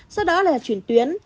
sau đó là chuyển tuyến